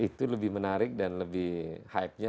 itu lebih menarik dan lebih hype nya